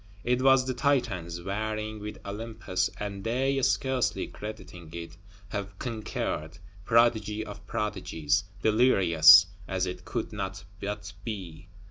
It was the Titans warring with Olympus; and they, scarcely crediting it, have conquered; prodigy of prodigies; delirious, as it could not but be.